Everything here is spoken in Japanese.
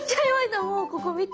もうここ見て。